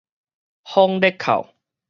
風塊哭